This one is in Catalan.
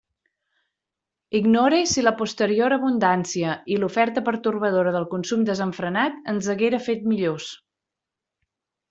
Ignore si la posterior abundància i l'oferta pertorbadora del consum desenfrenat ens haguera fet millors.